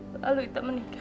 lalu ita menikah